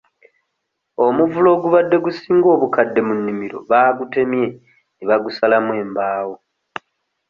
Omuvule ogubadde gusinga obukadde mu nnimiro baagutemye ne bagusalamu embaawo.